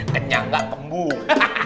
kenyang gak tembus